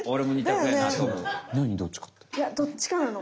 いやどっちかなの。